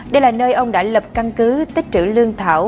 đây là nơi ông đã lập căn cứ tích trữ lương thảo